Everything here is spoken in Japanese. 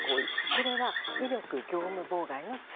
これは威力業務妨害の罪。